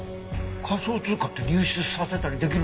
仮想通貨って流出させたりできるんだ？